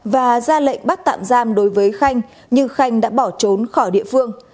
và ra lệnh bắt tạm giam đối với khanh nhưng khanh đã bỏ trốn khỏi địa phương